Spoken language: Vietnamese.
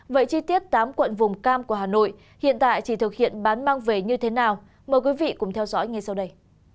vậy chi tiết tám quận vùng cam của hà nội hiện tại chỉ thực hiện bán mang về như thế nào mời quý vị cùng theo dõi ngay sau đây